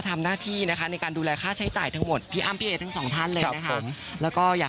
แต่พี่อ้ำจืญก็ไม่มา